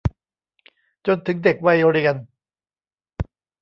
จนถึงเด็กวัยเรียน